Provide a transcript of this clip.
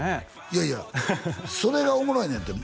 いやいやそれがおもろいねんて